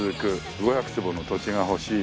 ５００坪の土地が欲しい。